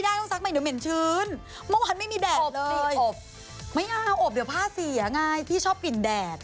อบสิอบไม่เอาอบเดี๋ยวผ้าเสียง่ายพี่ชอบกลิ่นแดด